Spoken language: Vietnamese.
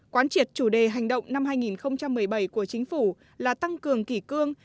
quán triệt chủ đề hành động năm hai nghìn một mươi bảy của chính phủ là tăng cường kỷ cương